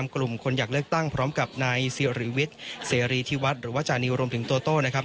คลุมคนอยากเลิกตั้งพร้อมกับนายที่วัดหรือว่าจานิลรมถึงโต้หน้าครับ